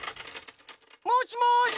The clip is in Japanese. もしもし！